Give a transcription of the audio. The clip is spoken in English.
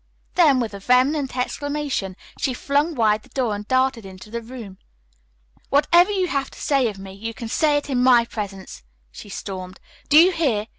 Then, with a vehement exclamation, she flung wide the door and darted into the room. "Whatever you have to say of me you can say in my presence," she stormed. "Do you hear?